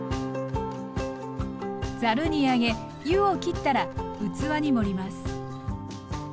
ざるにあげ湯を切ったら器に盛ります。